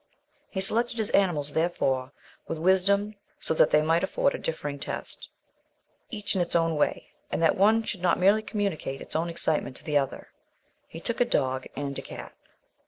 He selected his animals, therefore, with wisdom so that they might afford a differing test, each in its own way, and that one should not merely communicate its own excitement to the other. He took a dog and a cat.